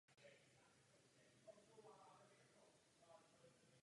Ta se mezitím zcela osamostatnila od britského vlivu.